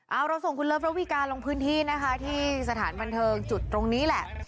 เอาเราส่งคุณเลิฟระวีการลงพื้นที่นะคะที่สถานบันเทิงจุดตรงนี้แหละ